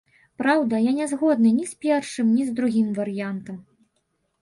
Праўда, я не згодны ні з першым, ні з другім варыянтам.